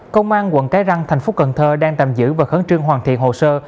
công an quận cái răng thành phố cần thơ đang tạm giữ và khẩn trương hoàn thiện hồ sơ